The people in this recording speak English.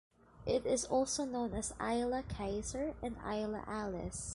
It is also known as Isla Kaiser and Isla Alice.